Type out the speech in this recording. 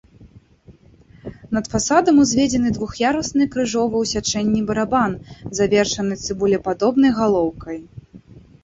Над фасадам узведзены двух'ярусны крыжовы ў сячэнні барабан, завершаны цыбулепадобнай галоўкай.